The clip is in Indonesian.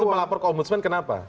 dan itu melapor ke ombudsman kenapa